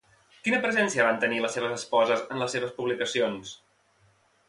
Quina presència van tenir les seves esposes en les seves publicacions?